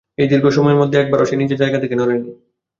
এই দীর্ঘ সময়ের মধ্যে একবারও সে নিজের জায়গা থেকে নড়ে নি।